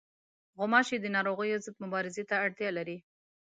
غوماشې د ناروغیو ضد مبارزې ته اړتیا لري.